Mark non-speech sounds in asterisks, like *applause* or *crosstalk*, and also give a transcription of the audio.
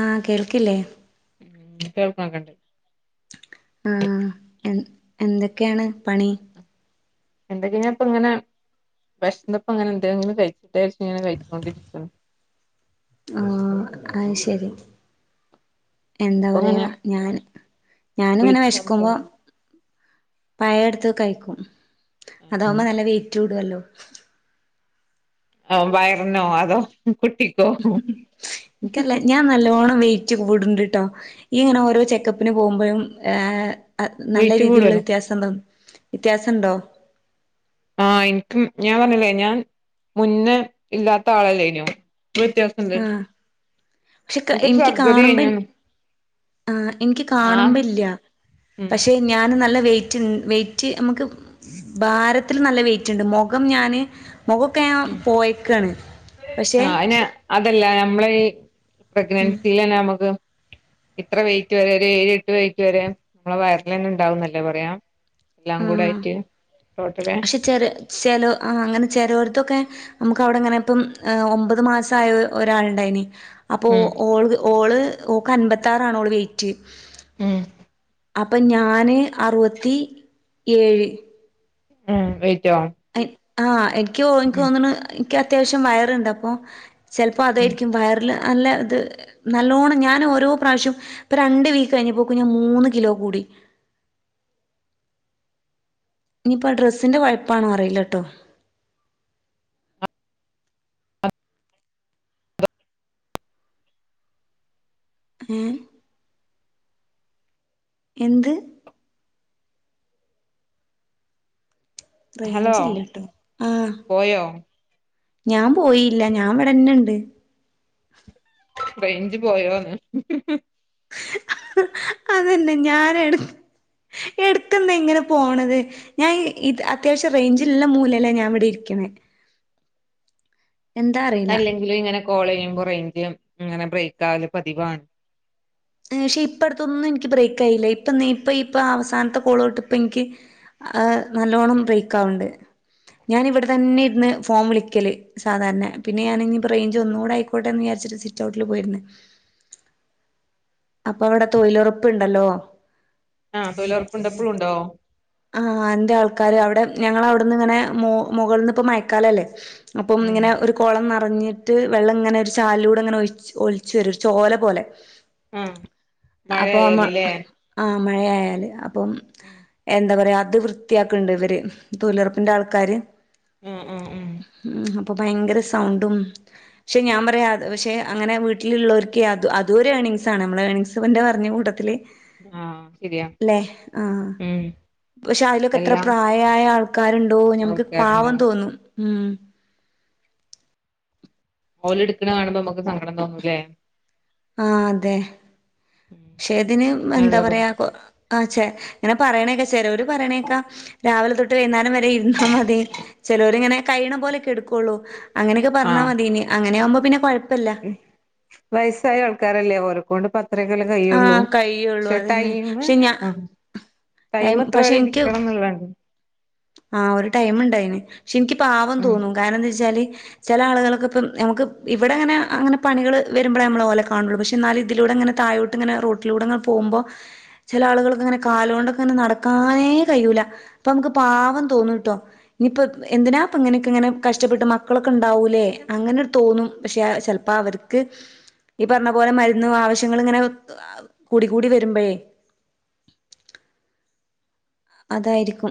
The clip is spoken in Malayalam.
ആ കേൾ ക്കില്ലെ കേൾക്കാ *unintelligible* അ എൻ എന്തെക്കയാണ് പണി എന്തേക്കെപ്പങ്ങനെ വെശന്നപ്പങ്ങനെ എന്തെങ്കിലും കഴിക്ക കഴിച്ചോണ്ടിരിക്കാണ് അ അയ് ശരി എന്താ അപ്പൊ പറയാ അങ്ങനെ ഞാൻ ഞാനിങ്ങനെ വിളിച്ച് വെശക്കുമ്പോ സംസാരിക്കും പഴേടുത്ത് കഴിക്കും അതാവുമ്പോ നല്ല വൈറ്റൂടുല്ലോ ആ വയറിനോ അതോ കുട്ടിക്കോ കൂടു ണ്ടുട്ടോ ഈ ങ്ങനെ ഒരോ ചെക്കപ്പിന് പോകുമ്പോഴും ഏ നല്ല വെയിറ്റ് രീതിയിലുള്ള കൂടല്ലോ വിത്യാസണ്ടാവും വ്യത്യാസണ്ടോ അഎനിക്ക് ഞാ പറഞ്ഞിലെ ഞാൻ മുന്നെ ഇല്ലാത്താളല്ലായിരുന്നോ ഇപ്പവ്യത്യാസ ണ്ട് ക്ഷേ എനിക്ക് കാണുമ്പൻ എനിക്ക് ആഹ് കാണുമ്പല്യ ഉം പക്ഷേ ഞാൻ നല്ല വൈറ്റ്ൻ വൈറ്റ് നമക്ക് ഭാരത്തിന് നല്ല വൈറ്റ് ണ്ട് മുഖം ഞാന് മുഖോക്കെ ഞാൻ ഉം പോയ്ക്കയാണ് പക്ഷേ ആഹ് അയിന് അതല്ല നമ്മളെ ഈ പ്രഗ്നൻസീല് നമ്മക്ക് എത്ര വൈറ്റ് വരെ ഏഴ് എട്ട് വൈറ്റ് വരെ നമ്മളെ വയറിനെന്നെ ഉണ്ടാവുന്നെല്ലെ പറിയ എല്ലാ കൂടെയിറ്റ് അ അങ്ങനെ ചെലോരതൊക്കെ നമ്മുക്ക് അവിടെ തു ഒമ്പത് മാസായ ഒരാളുണ്ടായിരുന്നു ഉം അപ്പൊഓളത് ഓള് ഓൾക്ക് അമ്പത്താറാണ് ഓൾവൈറ്റ് ഉം അപ്പ ഞാന് അറുവത്തിഏഴ് ഉം വൈറ്റ് വൈറ്റോ ആ എക് ഖുയോ എനിക്ക് തോന്നണു ക്ക്‌ അത്യാവശ്യം വയറണ്ടപ്പോ ചെലപ്പം ഉം അതായിരിക്കും വയറിലെ അല്ലതെ നല്ലോണം ഞാനോരോ പ്രാവശ്യവും ഇപ്പ രണ്ടു വീക്കു കഴിഞ്ഞപ്പം കുഞ്ഞു മൂന്നു കിലോ കൂടി ഇനീപ്പോ ഡ്രെസ്സിന്റെ കുഴപ്പാണോ അറിയില്ല കെട്ടോ മ്മ് എന്ത് ഹലോ റേഞ്ചില്ലേട്ടോ ആ പോയോ ഞാൻ പോയില്ല ഞാനിവിന്നേണ്ട് റേഞ്ച് പോയോ അതല്ല ഞാനെടുത്തു എടുത്തുന്നെങ്ങനാ പോണത് ഞാൻ അത്യാവശ്യം റേഞ്ച് ഇള്ള മൂലേലാ ഇരിക്കണേ എന്താ അറിയില്ല അതല്ലെങ്കിലും ഇങ്ങനെ കോളിയും കുറയുകേം ചെയ്യും ഇങ്ങനെ ബ്രേക്കാകലെ പതിവാണ് മേശ്ശേ ഇപ്പടുത്തൂന്നൊന്നും എനിക്ക് ബ്രേക്കായില്ല ഇപ്പ ദേ ഇപ്പാ അവസാനത്തെ കോളു തോട്ട് ഇപ്പൊ എനിക്ക് നല്ലോണം ബ്രെക്കാവണുണ്ട് ഞാനിവിടെ തന്നെ ഇരുന്ന് ഫോൺ വിളിക്കല് സാധാരണ പിന്നെയാണെങ്കി ബ്രെയിൻ ഒന്നൂടെ ആയിക്കോട്ടേന്ന് വിചാരിച്ചിട്ട് സിറ്റൗട്ടിൽ പോയിരുന്നു അപ്പോ അവിടെ തൊഴിലുറപ്പൊണ്ടല്ലോ ആ തൊഴിലുറപ്പുണ്ടോ ഇപ്പഴും ഉണ്ടോ ആ ഉണ്ട് ആൾക്കാരവിടെ ഞങ്ങളവിടുന്നിങ്ങനെ മു മു മുകളിലിപ്പോ മയക്കാലല്ലേ അപ്പം ഇങ്ങനെ ഒരു കൊളം ന റഞ്ഞിട്ട് വെള്ളമിങ്ങനെ ഒരു ചാലിലൂടെ ഇങ്ങനെ ഒലി ഒലിച്ച് വരും ഒരു ചോല പോലെ ഉം മഴയാലിലെ മയയായാലെ ആ ഇപ്പം എന്താ പറയാ അതു വൃത്തിയാക്കണുണ്ട് ഇവര് തൊഴിലുറപ്പിന്റെ ആൾക്കാര് ഉം ഉം ഉം ഇപ്പ ഭയങ്കര സൗണ്ടും പക്ഷേ ഞാൻ പറയാ പക്ഷെ അങ്ങിനെ വീട്ടിലുള്ളോർക്കേ അതുവരെ ഏർണിങ്സാണു നമ്മളെ ഏർണിങ്സിന്റെ പറഞ്ഞ കൂട്ടത്തില് ആ ശരിയാ ല്ലേ ആഹ് ഉം പക്ഷെ അയിലൊക്കെ എത്ര എല്ലാം പ്രായം ആയ ആൾക്കാരുണ്ടോ ഞമ്മക്ക് പാവം ആൾക്കാരുണ്ടാവും തോന്നും ഉം ഓലെടുക്കണ കാണുമ്പം നമ്മക്ക് സങ്കടം തോന്നും അല്ലേ ആ അതെ അങ്ങനെയുള്ള ശേതിനും എന്താ പറയ്ക കൊ ആച്ചേ ഇങ്ങനെ പറയണൊക്കെ ചെലവരു പറയുണ കേക്കാം രാവിലെ തൊട്ട് വൈകുന്നേരം വരെ ഇരുന്നാ മതി ചെലോരിങ്ങനെ കഴിയുന്ന പോലൊക്കെയേ എടുക്കൂള്ളു അങ്ങനെക്കെ പറഞ്ഞാ മതി ഇനി അങ്ങനെ ആവുമ്പൊ അപ്പൊ പിന്നെ കുഴ ഉം വയ സായ ആൾക്കാരല്ലെ ഓരെക്കൊണ്ട് പ ത്രെക്കെല്ലെ കയുള്ളു. ആഹ് കഴിയുള്ളൂ ഷേട്ടായീന്ന് പഷെ എനിക്ക് ആ ഒരു ടൈമുണ്ട് അയ്ന് പക്ഷേ എനിക്ക് പാവം ഉം തോന്നും കാരണം എന്തച്ചാല് ചെല ആളുകളൊക്കെ ഇപ്പൊ ഞമക്ക് ഇവിടങ്ങനെ അങ്ങനെ പണികള് വെരുമ്പളെ നമ്മള് ഓലെ കാണുള്ളു പഷേ എന്നാല് ഇതിലൂടങ്ങനെ തായോട്ടിങ്ങനെ റോട്ടലൂടങ്ങനെ പോവുമ്പൊ ചെല ആളുകളൊക്കെ ഇങ്ങനെ കാല് കൊണ്ട് ഇങ്ങനെ നടക്കാനേ കയൂല. അപ്പൊ നമ്മക്ക് പാവം തോന്നുട്ടോ. ഇനിപ്പൊ എന്തിനാപ്പങ്ങനിക്കങ്ങനെ കഷ്ടപ്പെട്ട് മക്കളൊക്കെണ്ടാവൂലേ. അങ്ങനൊരു തോന്നും. പഷേ അ ചെലപ്പം അവർക്ക് ഈ പറഞ്ഞപോലെ മരുന്നും ആവശ്യങ്ങളും ഇങ്ങനെ കൂടിക്കൂടി വരുമ്പോഴേ അതായിരിക്കും